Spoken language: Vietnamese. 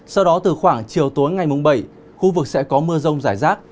sau đó từ khoảng chiều tối ngày mùng bảy khu vực sẽ có mưa rông rải rác